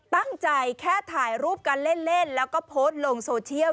ตั้งใจแค่ถ่ายรูปกันเล่นแล้วก็โพสต์ลงโซเชียล